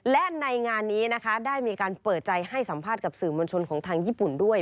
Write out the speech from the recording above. และในงานนี้นะคะได้มีการเปิดใจให้สัมภาษณ์กับสื่อมวลชนของทางญี่ปุ่นด้วย